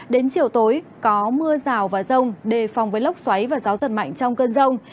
đến chiều tối có mưa rào và rông đề phòng với lốc xoáy và gió giật mạnh trong cơn rông